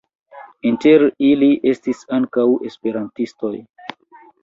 Inter ili estis ankaŭ esperantistoj.